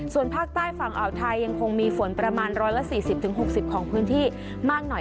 ส่วนภาคใต้ฝั่งอ่าวไทยยังคงมีฝนประมาณ๑๔๐๖๐ของพื้นที่มากหน่อย